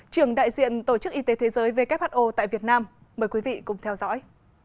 trưởng đại diện tổ chức y tế thế giới who tại việt nam mời quý vị cùng theo dõi